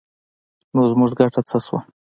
نو زموږ ګټه څه شوه؟